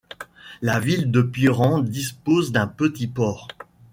La ville de Piran dispose d'un petit port.